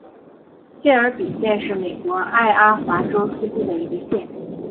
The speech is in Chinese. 谢尔比县是美国爱阿华州西部的一个县。